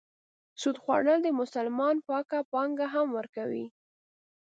سود خوړل د مسلمان پاکه پانګه هم ورکوي.